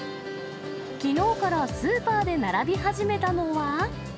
きのうからスーパーで並び始めたのは。